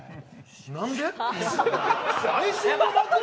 何で？